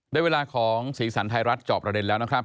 ด้วยเวลาของศีรษรภัณฑ์ไทยรัฐจอบประเด็นแล้วนะครับ